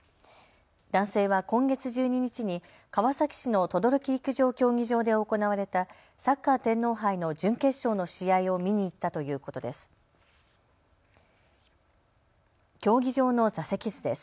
男性は今月１２日に川崎市の等々力陸上競技場で行われたサッカー天皇杯の準決勝の試合を見に行ったということです。